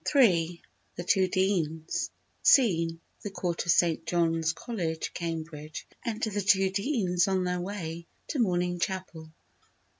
iii—The Two Deans Scene: The Court of St. John's College, Cambridge. Enter the two deans on their way to morning chapel.